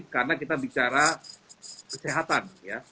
karena kita bicara kesehatan ya